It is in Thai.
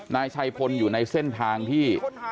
นายชัยพลอยู่ในเส้นทางที่